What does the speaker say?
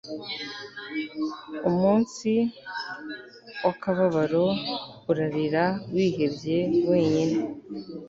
Umunsi wakababaro urarira wihebye wenyine